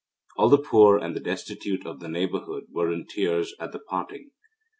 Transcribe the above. All the poor and the destitute of the neighbourhood were in tears at the parting.